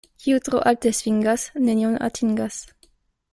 Kiu tro alte svingas, nenion atingas.